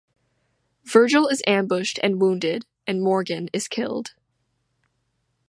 Virgil is ambushed and wounded, and Morgan is killed.